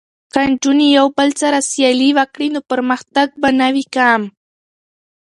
که نجونې یو بل سره سیالي وکړي نو پرمختګ به نه وي کم.